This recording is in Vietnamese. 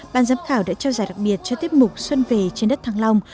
ban giám khảo đã trao giải đặc biệt cho tiết mục xuân về trên đất thăng long